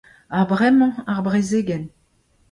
Ha bremañ ar brezegenn.